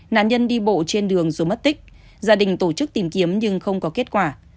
nạn nhân đi bộ trên đường rồi mất tích gia đình tổ chức tìm kiếm nhưng không có kết quả